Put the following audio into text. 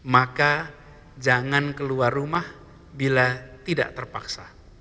maka jangan keluar rumah bila tidak terpaksa